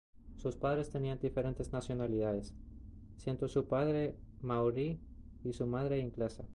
Sus padres tenían diferentes nacionalidades, siendo su padre maorí y su madre inglesa.